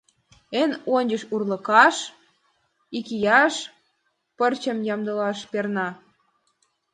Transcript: Эн ончыч урлыкаш, икияш, пырчым ямдылаш перна.